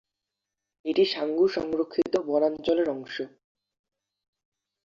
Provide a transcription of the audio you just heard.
এটি সাঙ্গু সংরক্ষিত বনাঞ্চলের অংশ।